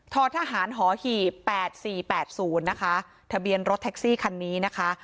ทธหารหอหีบแปดสี่แปดศูนย์นะคะทะเบียนรถแท็กซี่คันนี้นะคะ